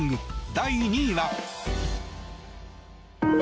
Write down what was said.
第２位は。